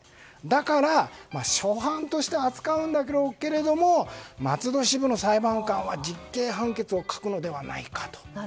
だから、初犯として扱うんだろうけど松戸支部の裁判官は実刑判決を書くのではないかと。